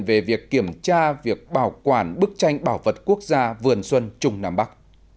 về việc kiểm tra việc bảo quản bức tranh bảo vật quốc gia vườn xuân trung nam bắc